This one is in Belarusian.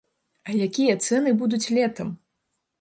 А якія цэны будуць летам?!